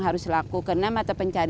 sejumlah kerajinan tangan